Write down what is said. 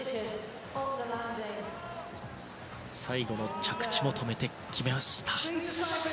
最後の着地も止めてきました。